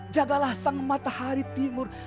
jagalah sang matahari timur